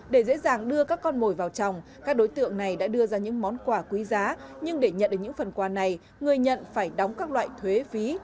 để dễ dàng đưa các con mồi vào trong các đối tượng này đã đưa ra những món quà quý giá nhưng để nhận được những phần quà này người nhận phải đóng các loại thuế phí